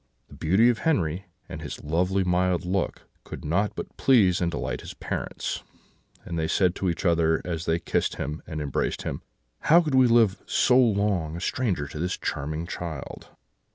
The beauty of Henri, and his lovely mild look, could not but please and delight his parents, and they said to each other, as they kissed him and embraced him: "'How could we live so long a stranger to this charming child?'